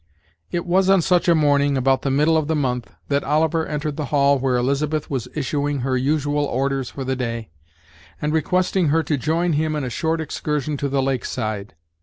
It was on such a morning, about the middle of the month, that Oliver entered the hall where Elizabeth was issuing her usual orders for the day, and requesting her to join him in a short excursion to the lakeside.